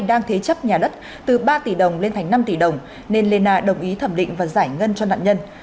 đang thế chấp nhà đất từ ba tỷ đồng lên thành năm tỷ đồng nên lê na đồng ý thẩm định và giải ngân cho nạn nhân